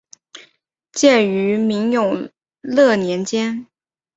建于明永乐年间。